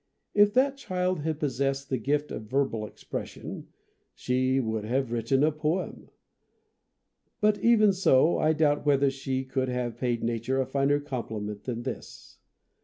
If that child had possessed the gift of verbal expression she would have written a poem ; but even so I doubt whether she could have paid Nature a finer compliment than this.